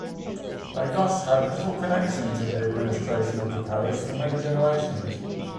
They thus had little connection to the administration of the parish for many generations.